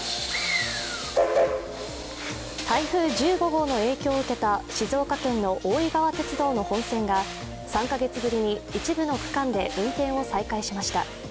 台風１５号の影響を受けた静岡県の大井川鉄道の本線が３か月ぶりに一部の区間で運転を再開しました。